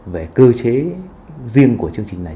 về cơ chế riêng của chương trình này